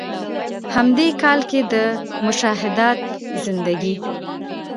هم د ې کال کښې د“مشاهدات زندګي ”